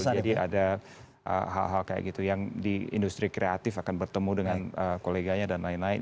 jadi ada hal hal kayak gitu yang di industri kreatif akan bertemu dengan koleganya dan lain lain